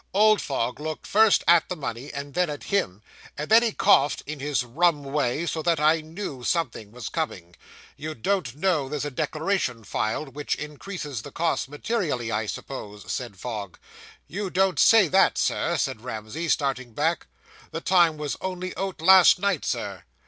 Old Fogg looked first at the money, and then at him, and then he coughed in his rum way, so that I knew something was coming. "You don't know there's a declaration filed, which increases the costs materially, I suppose," said Fogg. "You don't say that, sir," said Ramsey, starting back; "the time was only out last night, Sir."